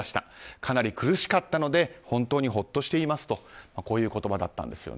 かなり苦しかったので本当にほっとしていますとこういう言葉だったんです。